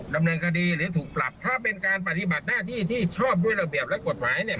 ดำเนินคดีหรือถูกปรับถ้าเป็นการปฏิบัติหน้าที่ที่ชอบด้วยระเบียบและกฎหมายเนี่ย